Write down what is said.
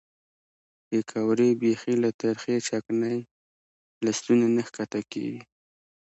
پیکورې بیخي له ترخې چکنۍ له ستوني نه ښکته کېږي.